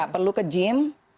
tidak perlu ke gym